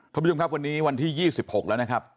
ท่านผู้ชมครับวันนี้วันที่๒๖แล้วนะครับ